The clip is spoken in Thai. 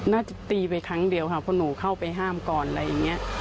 น่าจะตีไปครั้งเดียวค่ะเพราะหนูเข้าไปห้ามก่อนอะไรอย่างนี้